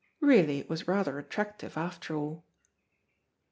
Really it was rather attractive, after all.